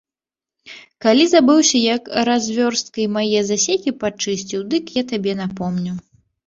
Калі забыўся, як развёрсткай мае засекі падчысціў, дык я табе напомню.